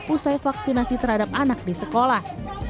usai vaksinasi terhadap anak di sekolah